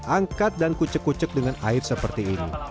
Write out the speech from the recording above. angkat dan kucek kucek dengan air seperti ini